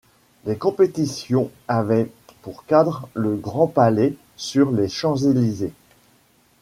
Les compétitions avaient pour cadre le Grand Palais sur les Champs-Élysées.